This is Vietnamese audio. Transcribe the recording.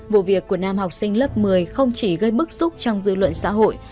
vụ việc của nam học sinh lớp một mươi không chỉ gây bức xúc trong dư luận xã hội